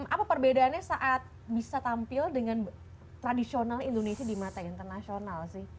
apa perbedaannya saat bisa tampil dengan tradisional indonesia di mata internasional sih